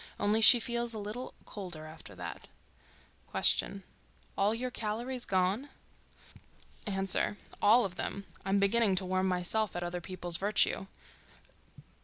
Only she feels a little colder after that. Q.—All your calories gone? A.—All of them. I'm beginning to warm myself at other people's virtue.